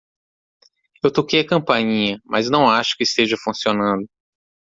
Eu toquei a campainha, mas não acho que esteja funcionando.